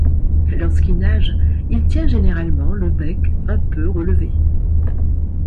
Lorsqu'il nage, il tient généralement le bec un peu relevé.